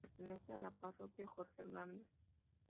Pertenece a la Parroquia Jorge Hernández.